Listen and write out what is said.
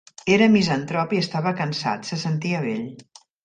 Era misantrop i estava cansat, se sentia vell.